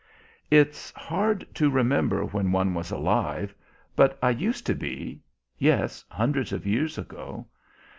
"It's hard to remember when one was alive, but I used to be yes, hundreds of years ago.